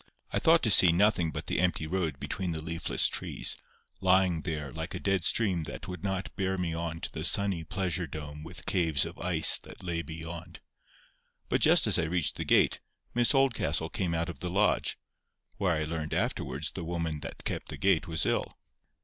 I thought to see nothing but the empty road between the leafless trees, lying there like a dead stream that would not bear me on to the "sunny pleasure dome with caves of ice" that lay beyond. But just as I reached the gate, Miss Oldcastle came out of the lodge, where I learned afterwards the woman that kept the gate was ill.